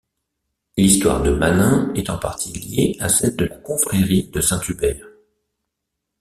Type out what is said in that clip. L'histoire de Manin est en partie liée à celle de la confrérie de Saint-Hubert.